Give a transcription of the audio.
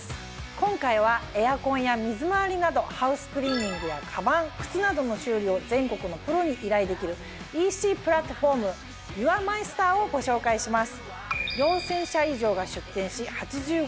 今回はエアコンや水回りなどハウスクリーニングやカバン靴などの修理を全国のプロに依頼できるＥＣプラットホームユアマイスターをご紹介します。